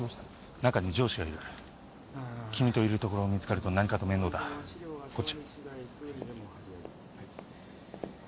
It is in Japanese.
中に上司がいる君といるところを見つかると何かと面倒だこっち